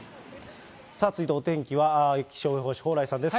さあ、続いてお天気は気象予報士、蓬莱さんです。